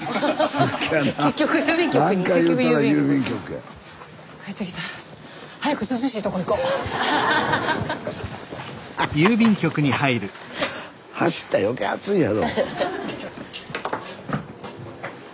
スタジオ走ったら余計暑いやろ。